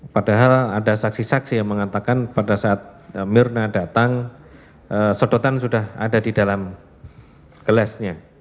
padahal ada saksi saksi yang mengatakan pada saat mirna datang sodotan sudah ada di dalam gelasnya